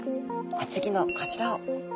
お次のこちらを頭です。